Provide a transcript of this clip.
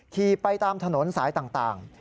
ขี่ไปตามถนนสายต่าง